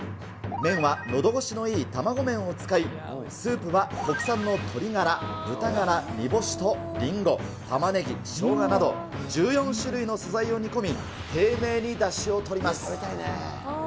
麺はのどごしのいい卵麺を使い、スープは国産の鶏ガラ、豚ガラ、煮干しとリンゴ、タマネギ、ショウガなど、１４種類の素材を煮込み、丁寧にだしを取ります。